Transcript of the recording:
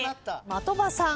的場さん。